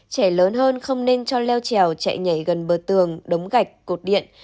trẻ lớn hơn không nên cho leo trèo chạy nhảy gần bờ tường đống gạch cột điện